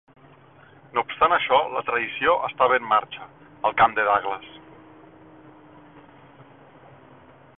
No obstant això, la traïció estava en marxa, al camp de Douglas.